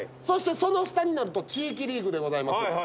そしてその下になると地域リーグでございます。